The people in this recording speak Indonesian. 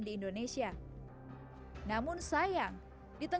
sehingga kalau diberikan vaksin vaksin sinovac itu juga bisa diadakan